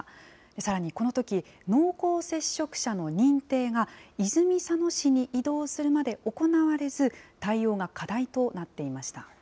さらにこのとき、濃厚接触者の認定が、泉佐野市に移動するまで行われず、対応が課題となっていました。